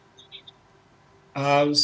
boleh singkat saja pak eci